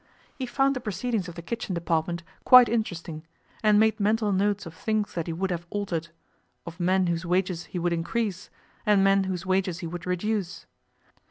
He found the proceedings of the kitchen department quite interesting, and made mental notes of things that he would have altered, of men whose wages he would increase and men whose wages he would reduce.